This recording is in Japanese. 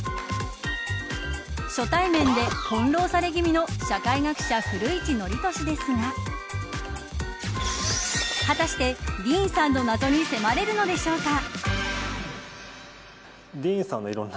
初対面で翻弄され気味の社会学者、古市憲寿ですが果たして、ディーンさんの謎に迫れるのでしょうか。